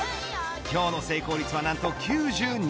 今日の成功率は何と９２％。